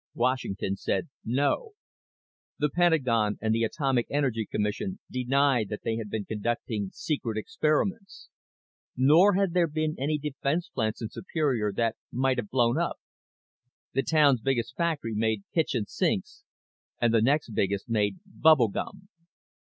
Washington said no. The Pentagon and the Atomic Energy Commission denied that they had been conducting secret experiments. Nor had there been any defense plants in Superior that might have blown up. The town's biggest factory made kitchen sinks and the next biggest made bubble gum.